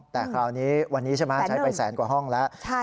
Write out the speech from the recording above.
แต่คราวนี้วันนี้ใช่ไหมใช้ไปแสนกว่าห้องแล้ว